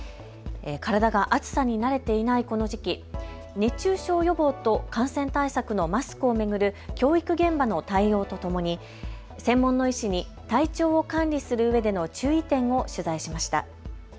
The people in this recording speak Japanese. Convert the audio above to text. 体が暑さに慣れていないこの時期、熱中症予防と感染対策のマスクを巡る教育現場の対応とともに専門の医師に体調を管理するうえでの注意点を取材しました。